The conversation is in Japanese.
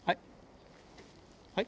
はい？